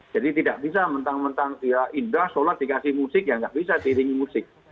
jadi tidak bisa mentang mentang indah sholat dikasih musik yang nggak bisa diringi musik